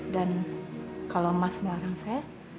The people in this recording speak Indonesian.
dan kalau mas melarang saya